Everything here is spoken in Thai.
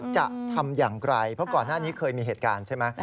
จะทำอย่างไรเพราะก่อนหน้านี้เคยมีเหตุการณ์ใช่ไหม